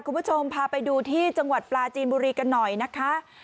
คุณผู้ชมพาไปดูที่จังหวัดปลาจีนบุรีกันหน่อยนะคะ